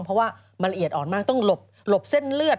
เพราะว่ามันละเอียดอ่อนมากต้องหลบเส้นเลือด